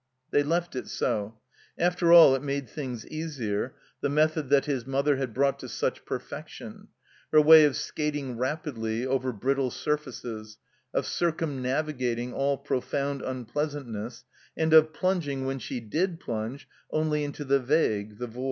They left it so. After all, it made things easier, the method that his mother had brought to such perfection, her way of skating rapidly over brittle surfaces, of drctunnavigating all profoimd impleas antness, and of pltmging, when she did plunge, only into the vague, the void.